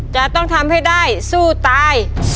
จะต้องทำให้ได้สู้ตาย